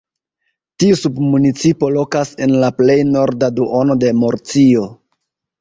Tiu submunicipo lokas en la plej norda duono de Murcio.